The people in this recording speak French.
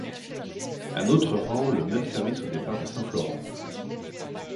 Une autre rend le même service au départ de St Florent.